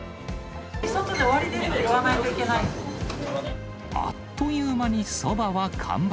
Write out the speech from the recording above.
外で終わりですって言わないあっという間にそばは完売。